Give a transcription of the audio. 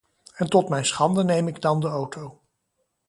En tot mijn schande neem ik dan de auto.